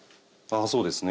そうですね